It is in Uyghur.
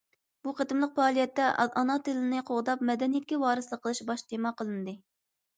بۇ قېتىملىق پائالىيەتتە‹ ئانا تىلنى قوغداپ، مەدەنىيەتكە ۋارىسلىق قىلىش› باش تېما قىلىندى.